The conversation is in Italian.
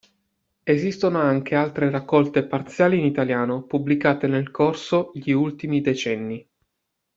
Esistono anche altre raccolte parziali in italiano pubblicate nel corso gli ultimi decenni.